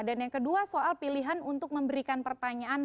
dan yang kedua soal pilihan untuk memberikan pertanyaan